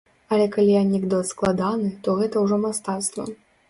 Але, калі анекдот складаны, то гэта ўжо мастацтва.